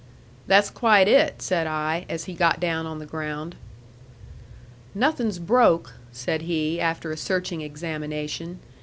"That's quite it," said I, as he got down on the ground. "Nothing's broke," said he, after a searching examination.